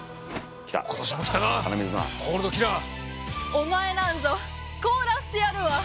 お前なんぞ凍らせてやるわ！